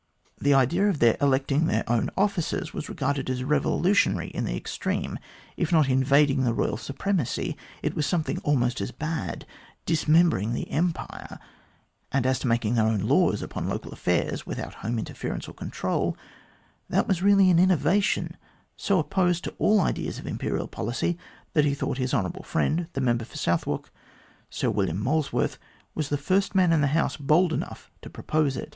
The idea of their electing their own officers was regarded as revolutionary in the extreme if not invading the Eoyal supremacy, it was something almost as bad, dismembering the Empire ; and, as to making their own laws upon local affairs, without home interference or control, that was really an innovation so opposed to all ideas of Imperial policy, that he thought his hon. friend, the Member for Southwark (Sir William Molesworth) was the first man in the House bold enough to propose it.